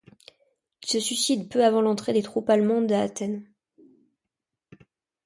Il se suicide peu avant l'entrée des troupes allemandes à Athènes.